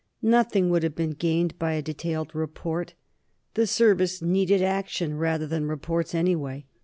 Nothing would have been gained by a detailed report. The Service needed action rather than reports, anyway.